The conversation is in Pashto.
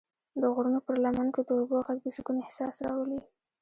د غرونو پر لمن کې د اوبو غږ د سکون احساس راولي.